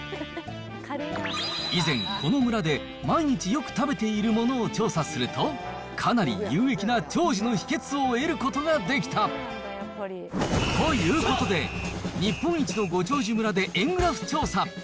以前、この村で毎日よく食べているものを調査すると、かなり有益な長寿の秘けつを得ることができた。ということで、日本一のご長寿村で円グラフ調査。